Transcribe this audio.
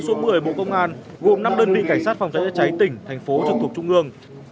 cụm thi đua số một mươi bộ công an gồm năm đơn vị cảnh sát phòng cháy chữa cháy tỉnh thành phố trực thuộc trung ương